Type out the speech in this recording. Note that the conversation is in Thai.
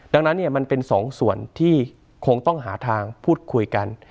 ดังนั้นมันเป็นสองส่วนที่คงต้องหาทางพูดคุยกัน